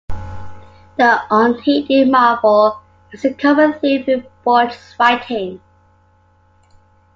The unheeded marvel is a common theme in Borges's writing.